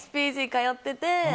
ＥＸＰＧ通ってて。